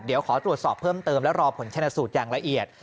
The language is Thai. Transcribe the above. เดี๋ยวขอตรวจสอบเพิ่มเติมและรอผลชนะสูตรอย่างละเอียด